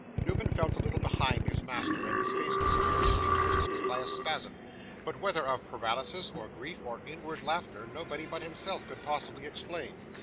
Newman fell a little behind his master, and his face was curiously twisted as by a spasm; but whether of paralysis, or grief, or inward laughter, nobody but himself could possibly explain.